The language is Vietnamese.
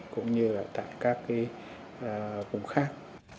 cũng như là tại các cái vùng khác